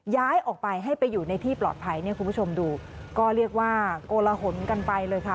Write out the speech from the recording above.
ย้ายออกไปให้ไปอยู่ในที่ปลอดภัยเนี่ยคุณผู้ชมดูก็เรียกว่าโกลหนกันไปเลยค่ะ